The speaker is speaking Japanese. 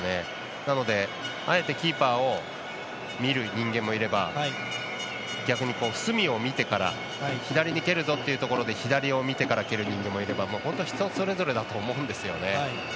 なので、あえてキーパーを見る人間もいれば、逆に隅を見てから左に蹴るぞっていうところで左を見てから蹴る人間もいれば本当に人それぞれだと思うんですよね。